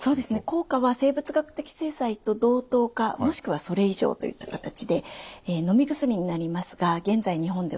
効果は生物学的製剤と同等かもしくはそれ以上といった形でのみ薬になりますが現在日本では５種類使うことができます。